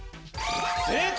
正解！